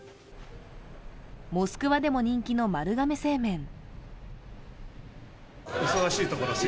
モスクワでも人気の丸亀製麺。